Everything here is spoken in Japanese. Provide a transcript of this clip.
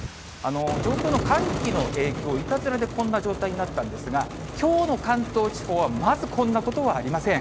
上空の寒気の影響、いたずらでこんな状態になったんですが、きょうの関東地方はまずこんなことはありません。